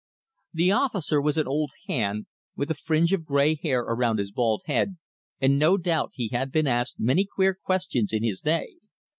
The officer was an old hand, with a fringe of grey hair around his bald head, and no doubt he had been asked many queer questions in his day.